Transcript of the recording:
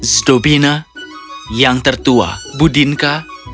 zdobina yang tertua budinka